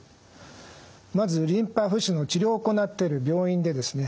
まずリンパ浮腫の治療を行ってる病院でですね